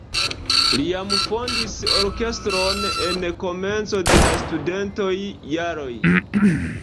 Li jam fondis orkestron en komenco de la studentaj jaroj.